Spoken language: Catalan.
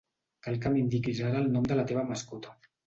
Cal que m'indiquis ara el nom de la teva mascota.